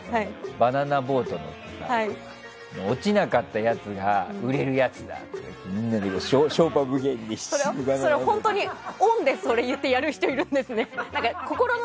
バナナボートに乗って落ちなかったやつが売れるやつだってそれはオンで言ってそれやる人って、いるんですね。